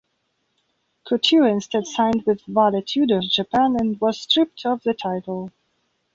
Couture instead signed with Vale Tudo Japan, and was stripped of the title.